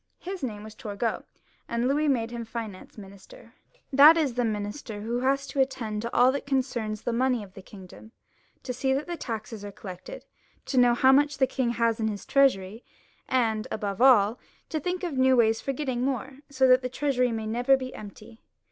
His name was. Turgot, and Louis made him Finance Minister, that is, the minister who has to attend to all that concerns the money of the kingdom, to see that the taxes are collected, to know how much the king has in his treasury, and above all to think of new ways for getting more, so that the treasury may never.be empty.